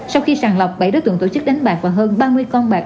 sau khi sàng lọc bảy đối tượng tổ chức đánh bạc và hơn ba mươi con bạc